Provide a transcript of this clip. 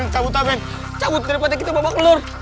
cabutlah men cabut daripada kita bawa bawa telur